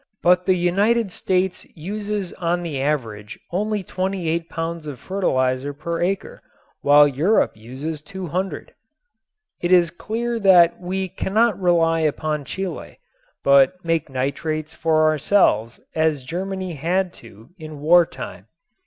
But the United States uses on the average only 28 pounds of fertilizer per acre, while Europe uses 200. It is clear that we cannot rely upon Chile, but make nitrates for ourselves as Germany had to in war time.